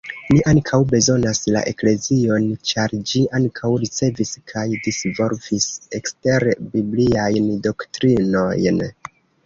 Ni ankaŭ bezonas la eklezion, ĉar ĝi ankaŭ ricevis kaj disvolvis ekster-bibliajn doktrinojn.